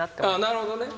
なるほどね。